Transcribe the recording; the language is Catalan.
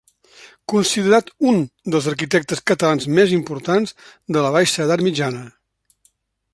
Considerat un dels arquitectes catalans més importants de la baixa edat mitjana.